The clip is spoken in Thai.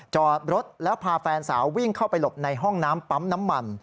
จอดรถแล้วพาแฟนสาววิ่งเข้าไปหลบในห้องน้ำปั๊มน้ำมัน